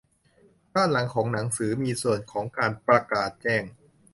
ด้านหลังของหนังสือมีส่วนของการประกาศแจ้ง